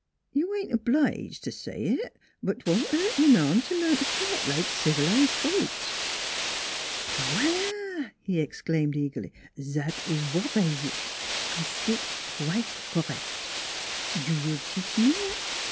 " You ain't obliged t' say it : but 'twon't hurt you none t' learn t' talk like civilized folks." " Voila! " he exclaimed eagerly; " zat is w'at I wish to spik quite correct. You will teach me eh?"